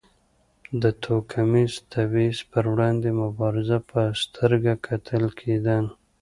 د توکمیز تبیض پر وړاندې مبارز په سترګه کتل کېدل.